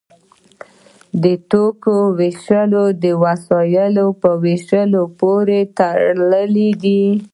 د توکو ویش د وسایلو په ویش پورې تړلی دی.